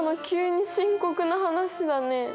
急に深刻な話だね。